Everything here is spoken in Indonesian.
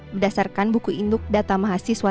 berdasarkan buku induk data mahasiswa